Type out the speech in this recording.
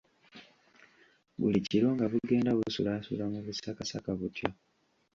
Buli kiro nga bugenda busulaasula mu busakasaka butyo.